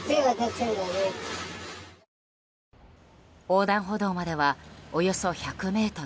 横断歩道まではおよそ１００ｍ。